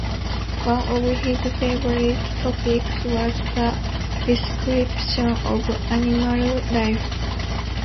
One of his favorite topics was the description of animal life.